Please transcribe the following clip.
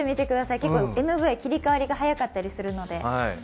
結構、ＭＶは切り替わりが早かったりするので。